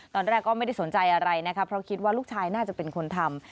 ตอนแรกก็ไม่ได้สนใจอะไรนะคะเพราะคิดว่าลูกชายน่าจะเป็นคนทำ